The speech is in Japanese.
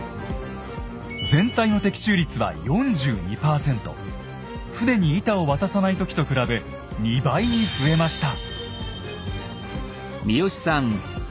全体の船に板を渡さない時と比べ２倍に増えました。